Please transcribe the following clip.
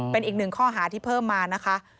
เป็นอีกหนึ่งข้อหาที่เพิ่มมานะคะ